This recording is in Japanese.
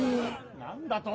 ・何だと？